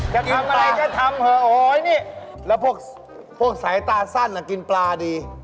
จะทำอะไรจะทำอ๋อพวกสายตาสั้นน่ะกินปลาดี